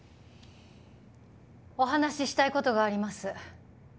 お話ししたい事があります。